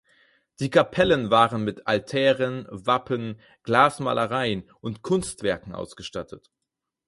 Die Kapellen waren mit Altären, Wappen, Glasmalereien und Kunstwerken ausgestattet.